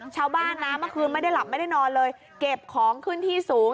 ชาวบ้านนะเมื่อคืนไม่ได้หลับไม่ได้นอนเลยเก็บของขึ้นที่สูง